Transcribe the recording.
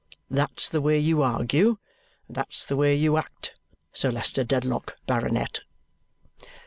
That's the way you argue, and that's the way you act, Sir Leicester Dedlock, Baronet."